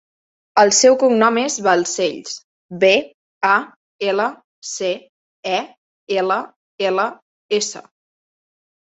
El seu cognom és Balcells: be, a, ela, ce, e, ela, ela, essa.